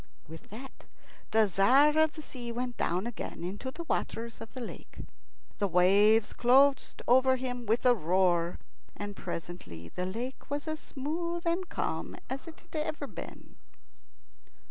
With that the Tzar of the Sea went down again into the waters of the lake. The waves closed over him with a roar, and presently the lake was as smooth and calm as it had ever been.